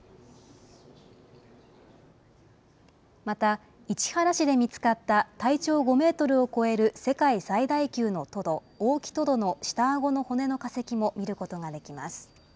また市原市で見つかった体長５メートルを超える世界最大級のトド、オオキトドの下あごの骨の化石も見ることができます。